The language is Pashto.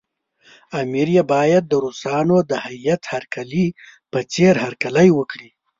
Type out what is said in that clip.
امیر یې باید د روسانو د هیات هرکلي په څېر هرکلی وکړي.